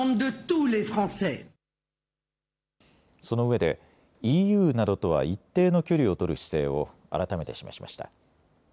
そのうえでＥＵなどとは一定の距離を取る姿勢を改めて示しました。